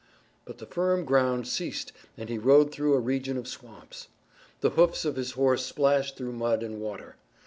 But the firm ground ceased and he rode through a region of swamps. The hoofs of his horse splashed through mud and water.